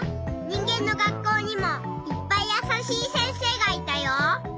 にんげんの学校にもいっぱいやさしい先生がいたよ。